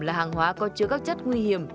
là hàng hóa có chứa các chất nguy hiểm